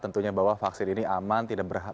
tentunya bahwa vaksin ini aman